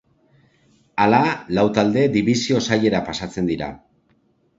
Hala, Lau talde Dibisio Sailera pasatzen dira.